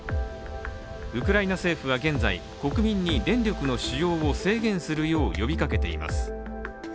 ウクライナ政府は現在、国民に電力の使用を制限するように呼びかけています